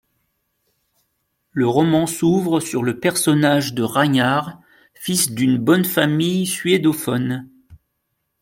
Le roman s'ouvre sur le personnage de Ragnar, fils d'une bonne famille suédophone.